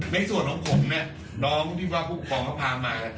ในส่วนน้องผมน้องที่ว่าผู้ของเขาพามา